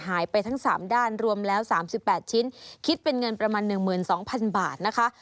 หายไปทั้ง๓ด้านรวมแล้ว๓๘ชิ้นคิดเป็นเงินประมาณ๑๒๐๐๐บาทนะคะ